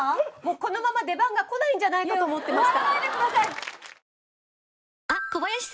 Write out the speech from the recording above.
このまま出番が来ないんじゃないかと思ってました。